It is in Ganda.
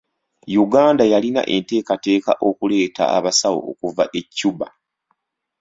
Uganda yalina enteekateeka okuleeta abasawo okuva e Cuba.